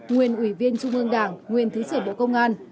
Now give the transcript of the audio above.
nguyên ủy viên trung ương đảng nguyên thứ trưởng bộ công an